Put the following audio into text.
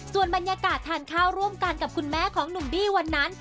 ส่วนบรรยากาศทานข้าวร่วมกันกับคุณแม่ของหนุ่มบี้วันนั้น